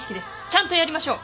ちゃんとやりましょう！